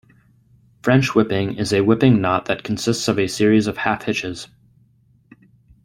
French whipping is a whipping knot that consists of a series of half hitches.